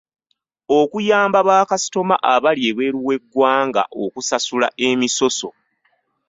Okuyamba bakasitoma abali ebweru w’eggwanga okusasula emisoso.